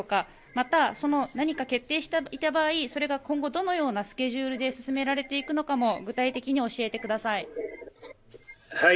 また、その何か決定していた場合それは今後どのようなスケジュールで進められていくのかも具体的に教えてください。